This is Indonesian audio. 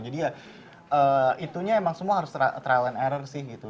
jadi ya itunya emang semua harus trial and error sih gitu